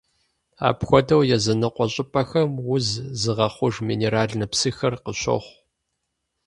Апхуэдэу языныкъуэ щӀыпӀэхэм уз зыгъэхъуж минеральнэ псыхэр къыщохъу.